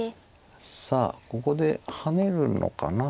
さあここでハネるのかな。